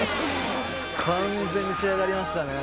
完全に仕上がりましたね。